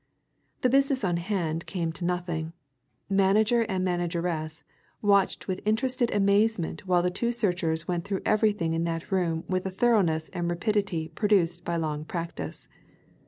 The business on hand came to nothing. Manager and manageress watched with interested amazement while the two searchers went through everything in that room with a thoroughness and rapidity produced by long practice.